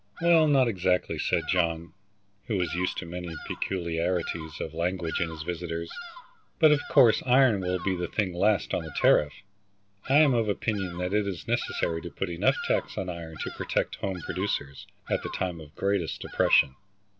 "Well, not exactly," said John, who was used to many peculiarities of language in his visitors. "But, of course, iron will be the thing last on the tariff. I am of opinion that it is necessary to put enough tax on iron to protect home producers at the time of greatest depression.